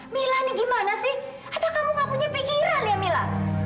mila ini gimana sih ada kamu gak punya pikiran ya mila